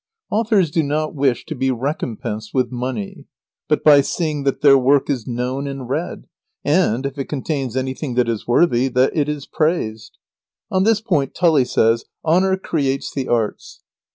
] Authors do not wish to be recompensed with money, but by seeing that their work is known and read, and, if it contains anything that is worthy, that it is praised. On this point Tully says: "Honour creates the arts."